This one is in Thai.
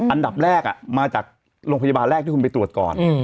อันดับแรกมาจากโรงพยาบาลแรกที่คุณไปตรวจก่อน